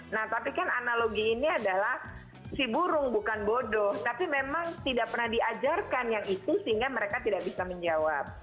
nah tapi kan analogi ini adalah si burung bukan bodoh tapi memang tidak pernah diajarkan yang itu sehingga mereka tidak bisa menjawab